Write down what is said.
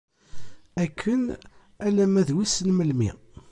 Akken alamma d wissen melmi.